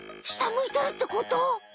下向いてるってこと？